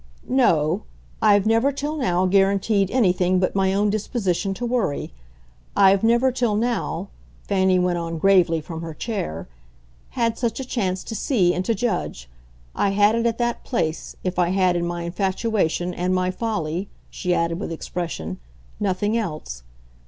"No I've never till now guaranteed anything but my own disposition to worry. I've never till now," Fanny went on gravely from her chair, "had such a chance to see and to judge. I had it at that place if I had, in my infatuation and my folly," she added with expression, "nothing else.